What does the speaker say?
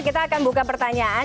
kita akan buka pertanyaan